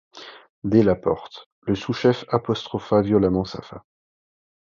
Dès la porte, le sous-chef apostropha violemment sa femme.